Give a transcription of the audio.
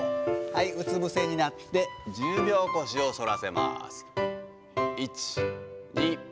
うつ伏せになって、１０秒腰を反らせます。